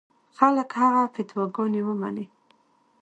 خلک هغه فتواګانې ومني.